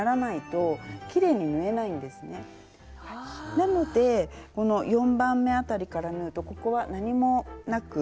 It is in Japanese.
なのでこの４番目辺りから縫うとここは何もなく縫いやすい。